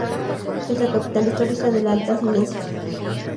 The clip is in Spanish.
Es la capital histórica de la Alta Silesia.